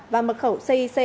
và mật khẩu cic